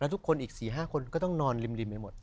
แล้วทุกคนอีกสี่ห้าคนก็ต้องนอนริมทั้งหมด